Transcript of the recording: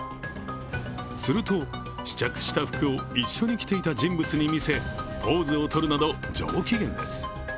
すると、試着した服を一緒に来ていた人物に見せ、ポーズをとるなど上機嫌です。